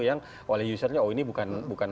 yang oleh usernya oh ini bukan